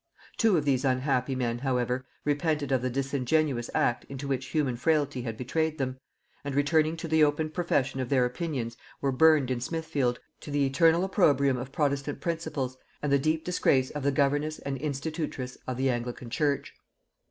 Two of these unhappy men, however, repented of the disingenuous act into which human frailty had betrayed them; and returning to the open profession of their opinions were burned in Smithfield, to the eternal opprobrium of protestant principles and the deep disgrace of the governess and institutress of the Anglican Church.